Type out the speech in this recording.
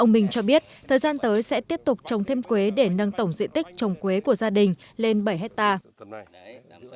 ông minh cho biết thời gian tới sẽ tiếp tục trồng thêm quế để nâng tổng diện tích trồng quế của gia đình lên bảy hectare